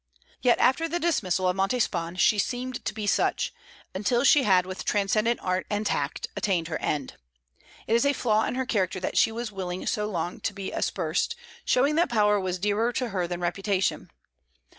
Yet after the dismissal of Montespan she seemed to be such, until she had with transcendent art and tact attained her end. It is a flaw in her character that she was willing so long to be aspersed; showing that power was dearer to her than reputation.